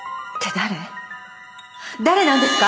誰なんですか！？